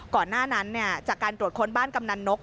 ก่อนหน้านั้นจากการตรวจค้นบ้านกำนันนก